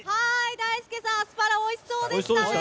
大輔さん、アスパラおいしそうでしたね。